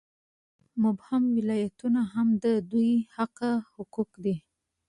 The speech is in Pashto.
مبهم ولایتونه هم د دوی حقه حقوق دي.